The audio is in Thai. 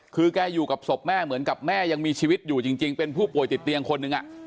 คือแกอยู่กับศพแม่เหมือนกับแม่ยังมีชีวิตอยู่จริงเป็นผู้ป่วยติดเตียงคนหนึ่ง